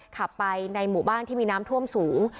ขับไปในหมู่บ้านที่มีน้ำท่วมสูง